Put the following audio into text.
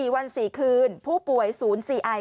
๔วัน๔คืนผู้ป่วยศูนย์๔ไอ